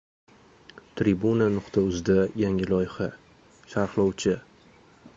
Tribuna.uz`da yangi loyiha: «Sharhlovchi»